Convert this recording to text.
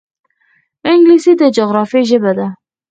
انګلیسي د جغرافیې ژبه ده